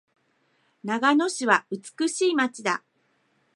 長野市は美しい街だ。